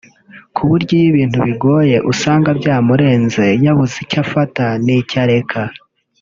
ku buryo iyo ari ibintu bigoye usanga byamurenze yabuze icyo afata n’icyo areka